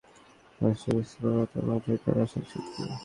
আর সে বুঝতে পারল, তার মাথাই তার আসল শক্তি।